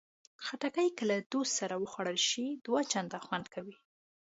خټکی که له دوست سره وخوړل شي، دوه چنده خوند کوي.